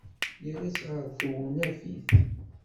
Yerra-tt ɣer tewnafit.